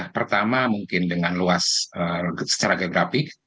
pertama mungkin dengan luas secara geografik